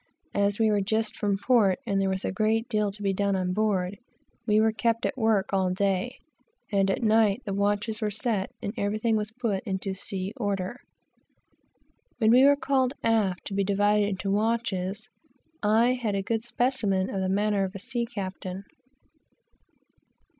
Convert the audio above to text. As we were just from port, and there was a great deal to be done on board, we were kept at work all day, and at night the watches were set, and everything put into sea order. When we were called aft to be divided into watches, I had a good specimen of the manner of a sea captain.